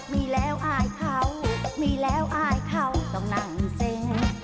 มีแล้วอายเขามีแล้วอายเขาต้องนั่งเซ้ง